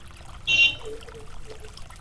আমি খুব একটা সাড়া দিইনি।